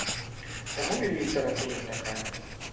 Таму і літаратура такая.